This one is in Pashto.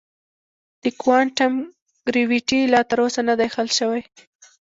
د کوانټم ګرویټي لا تر اوسه نه دی حل شوی.